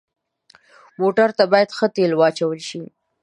موټر ته باید ښه تیلو واچول شي.